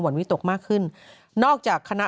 วิตกมากขึ้นนอกจากคณะ